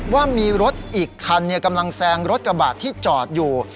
ว่ามีรถอีกคันกำลังแซงรถกระบาดที่จอดอยู่